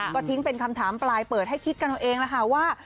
ก็ทิ้งเป็นคำถามปลายเปิดให้คิดกันเอาเองแล้วค่ะว่า